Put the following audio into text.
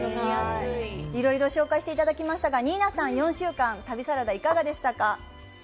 いろいろ紹介していただきましたが、ニーナさん、４週間旅サラダはいかがでしたか？